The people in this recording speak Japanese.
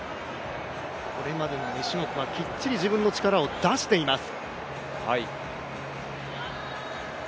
これまでの２種目はきっちり自分の力を出しています。